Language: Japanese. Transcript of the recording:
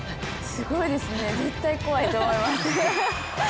すごいですね絶対怖いと思います。